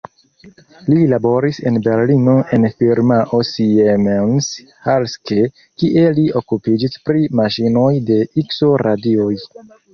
Li laboris en Berlino en firmao "Siemens–Halske", kie li okupiĝis pri maŝinoj de ikso-radioj.